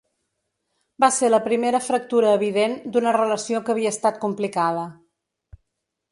Va ser la primera fractura evident d’una relació que havia estat complicada.